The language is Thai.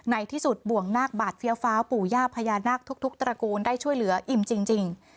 ในที่สุดบ่วงนาคบาดเฟี้ยวฟ้าวปู่ย่าพญานาคทุกตระกูลได้ช่วยเหลืออิ่มจริง